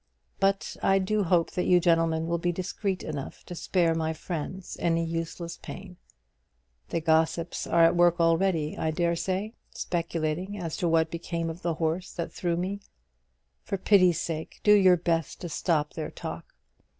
But I do hope that you gentlemen will be discreet enough to spare my friends any useless pain. The gossips are at work already, I dare say, speculating as to what became of the horse that threw me. For pity's sake, do your best to stop their talk.